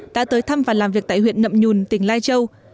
đã tới thăm và làm việc tại huyện nậm nhùn tỉnh lai châu